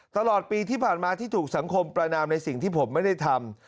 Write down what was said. ตลอดปีที่ผ่านมาที่ถูกสังคมประนามในสิ่งที่ผมไม่ได้ทำ